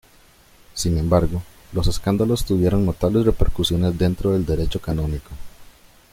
Sin embargo, los escándalos tuvieron notables repercusiones dentro del Derecho Canónico.